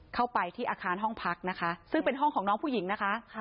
เข้าไปที่อาคารห้องพักนะคะซึ่งเป็นห้องของน้องผู้หญิงนะคะ